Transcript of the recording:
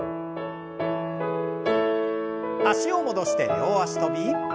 脚を戻して両脚跳び。